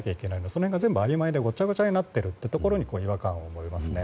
その辺が全部あいまいでごちゃごちゃになっているところに違和感を覚えますね。